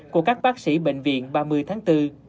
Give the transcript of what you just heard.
của các bác sĩ bệnh viện ba mươi tháng bốn